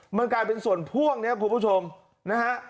มันกลายเป็นส่วนพ่วงเนี่ยคุณผู้ชมนะฮะ